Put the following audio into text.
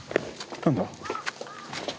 何だ？